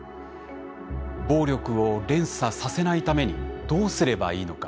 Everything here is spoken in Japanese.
暴力を連鎖させないためにどうすればいいのか。